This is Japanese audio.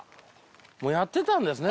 もうやってたんですね